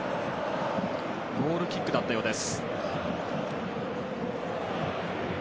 ゴールキックだったようです。